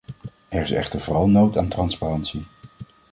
Er is echter vooral nood aan transparantie.